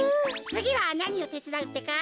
つぎはなにをてつだうってか？